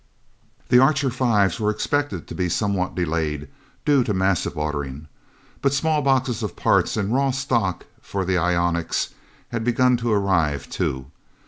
The Archer Fives were expected to be somewhat delayed, due to massive ordering. But small boxes of parts and raw stock for the ionics had begun to arrive, too.